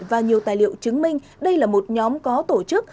và nhiều tài liệu chứng minh đây là một nhóm có tổ chức